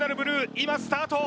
今スタート